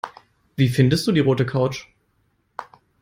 Wie findest du die rote Couch?